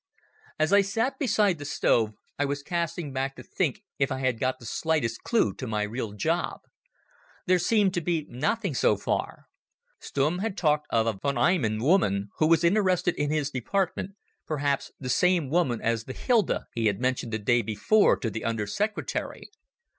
As I sat beside the stove I was casting back to think if I had got the slightest clue to my real job. There seemed to be nothing so far. Stumm had talked of a von Einem woman who was interested in his department, perhaps the same woman as the Hilda he had mentioned the day before to the Under Secretary.